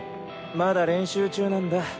まだ練習中なんだ。